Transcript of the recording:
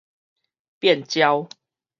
變焦